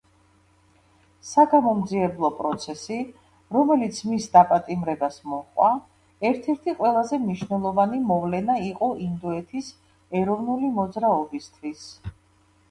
საგამომძიებლო პროცესი, რომელიც მის დაპატიმრებას მოჰყვა, ერთ-ერთი ყველაზე მნიშვნელოვანი მოვლენა იყო ინდოეთის ეროვნული მოძრაობისთვის.